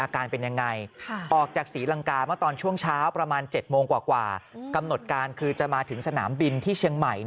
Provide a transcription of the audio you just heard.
การกำหนดการคือจะมาถึงสนามบินที่เชียงใหม่